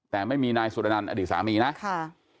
แต่ไม่มีนายสุดนั้นอดีตสามีนะ